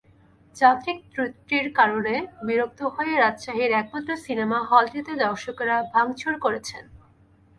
যান্ত্রিক ত্রুটির কারণে বিরক্ত হয়ে রাজশাহীর একমাত্র সিনেমা হলটিতে দর্শকেরা ভাঙচুর করেছেন।